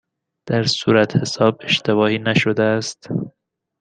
در صورتحساب اشتباهی نشده است؟